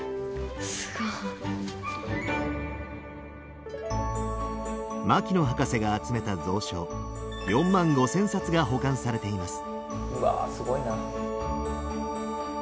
すごい。牧野博士が集めた蔵書４万５，０００冊が保管されています。